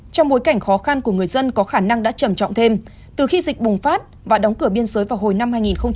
trong bối cảnh khó khăn của người dân có khả năng đã trầm trọng thêm từ khi dịch bùng phát và đóng cửa biên giới vào hồi năm hai nghìn một mươi